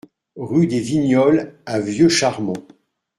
Rue des Vignoles à Vieux-Charmont